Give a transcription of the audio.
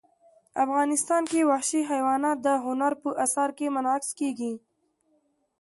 افغانستان کې وحشي حیوانات د هنر په اثار کې منعکس کېږي.